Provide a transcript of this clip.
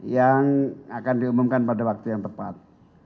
yang akan diumumkan pada waktu yang tepat